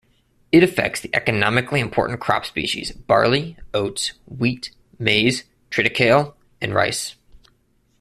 It affects the economically important crop species barley, oats, wheat, maize, triticale and rice.